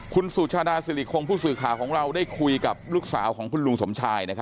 คุณสุชาดาสิริคงผู้สื่อข่าวของเราได้คุยกับลูกสาวของคุณลุงสมชาย